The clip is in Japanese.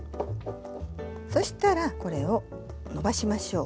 そしたらこれをのばしましょう。